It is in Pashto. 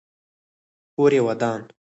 کور یې ودان.